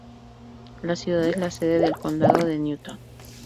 La ciudad es la sede del condado de Newton.